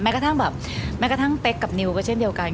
แม้กระทั่งเต็กกับนิวก็เช่นเดียวกัน